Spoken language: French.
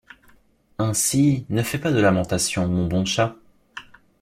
Ainsi ne fais pas de lamentations, mon bon chat?